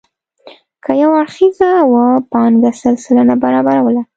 که یو اړخیزه وه پانګه سل سلنه برابروله.